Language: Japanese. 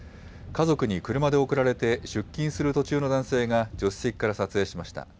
家族に車で送られて出勤する途中の男性が助手席から撮影しました。